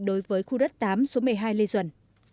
đối với khu đất tám số một mươi hai lê duẩn